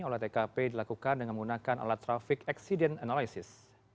olah tkp dilakukan dengan menggunakan alat traffic accident analysis